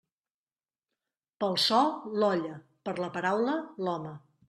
Pel so, l'olla; per la paraula, l'home.